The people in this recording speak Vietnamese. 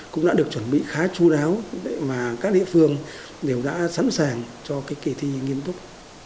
cũng đã được chuẩn bị khá chú đáo mà các địa phương đều đã sẵn sàng cho cái kỳ thi nghiêm túc